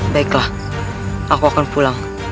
baiklah aku akan pulang